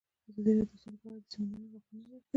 ازادي راډیو د سوله په اړه د سیمینارونو راپورونه ورکړي.